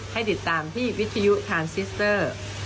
ให้ติดตามที่วิทยุทานซิสเตอร์